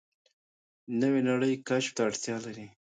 نوې نړۍ کشف ته اړتیا لري